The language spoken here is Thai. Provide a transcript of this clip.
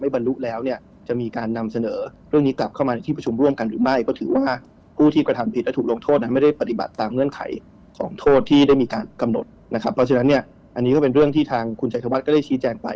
เพราะฉะนั้นเนี่ยอันนี้ก็เป็นเรื่องที่ทางคุณชัยธวัฒน์ก็ได้ชี้แจงไป